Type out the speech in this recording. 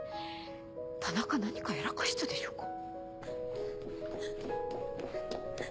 田中何かやらかしたでしょうか？